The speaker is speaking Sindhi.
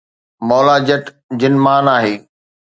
’مولا جٽ‘ جن مان آهي